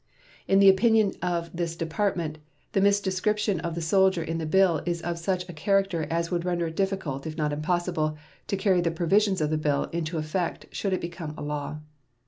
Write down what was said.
In the opinion of this Department the misdescription of the soldier in the bill is of such a character as would render it difficult, if not impossible, to carry the provisions of the bill into effect should it become a law.